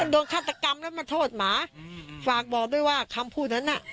โดนฆาตกรรมแล้วมาโทษหมาฝากบอกด้วยว่าคำพูดนั้นน่ะ